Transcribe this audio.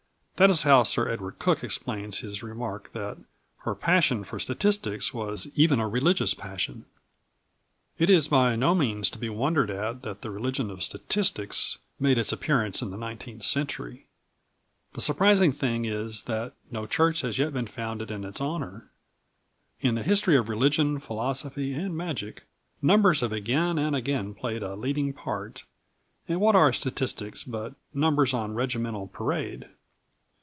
That is how Sir Edward Cook explains his remark that her passion for statistics was "even a religious passion." It is by no means to be wondered at that the religion of statistics made its appearance in the nineteenth century. The surprising thing is, that no church has yet been founded in its honour. In the history of religion, philosophy and magic, numbers have again and again played a leading part; and what are statistics but numbers on regimental parade?